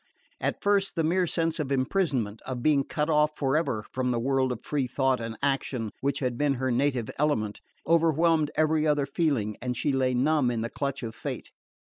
At first the mere sense of imprisonment, of being cut off forever from the world of free thought and action which had been her native element, overwhelmed every other feeling, and she lay numb in the clutch of fate.